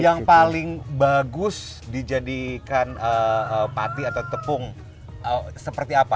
yang paling bagus dijadikan pati atau tepung seperti apa